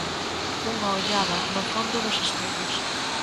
Unha ollada no fondo dos espellos.